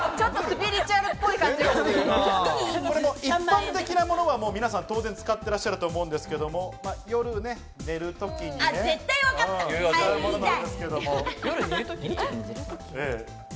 一般的なものは皆さん、当然使ってらっしゃると思うんですが、夜寝るときにね、使うものだと思うんですけども。